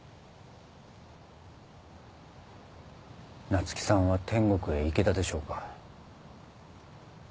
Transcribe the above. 菜月さんは天国へ行けたでしょうか？